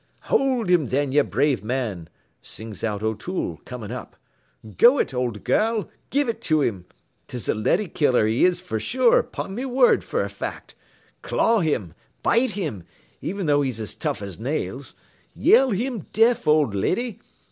"'Hold him thin, ye brave man,' sings out O'Toole, comin' up. 'Go it, owld gal, give it to him. 'Tis a leddy killer he is fer sure, 'pon me whurd, fer a fact. Claw him, bite him, even though he's as tough as nails. Yell him deaf, owld leddy.